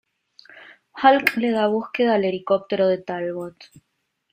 Hulk le da búsqueda al helicóptero de Talbot.